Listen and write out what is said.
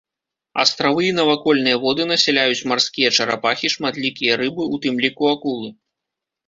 Астравы і навакольныя воды насяляюць марскія чарапахі, шматлікія рыбы, у тым ліку акулы.